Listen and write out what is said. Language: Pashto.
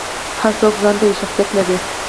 هر څوک ځانته یو شخصیت لري.